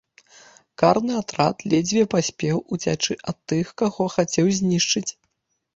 Карны атрад ледзьве паспеў уцячы ад тых, каго хацеў знішчыць.